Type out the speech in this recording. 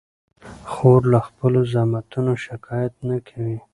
خور له خپلو زحمتونو شکایت نه کوي.